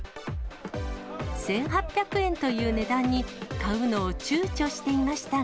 １８００円という値段に、買うのをちゅうちょしていましたが。